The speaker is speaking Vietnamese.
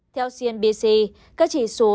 theo cnbc các chỉ số